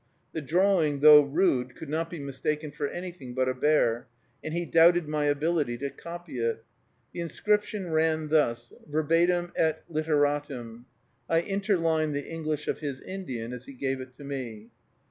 The drawing, though rude, could not be mistaken for anything but a bear, and he doubted my ability to copy it. The inscription ran thus, verbatim et literatim. I interline the English of his Indian as he gave it to me.